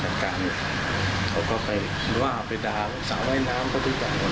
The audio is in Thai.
ตั้งแต่นั้นเขาก็ไปคุยกันเลยเขาก็ต่างคนต่างแบบเนี้ย